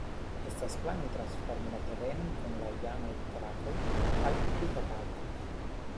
Estas planoj transformi la terenon kun la iamaj trakoj al publika parko.